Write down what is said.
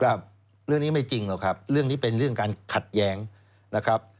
เรื่องนี้ไม่จริงหรอกครับเรื่องนี้เป็นเรื่องการขัดแย้งนะครับ